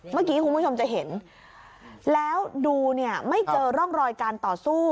เมื่อกี้คุณผู้ชมจะเห็นแล้วดูเนี่ยไม่เจอร่องรอยการต่อสู้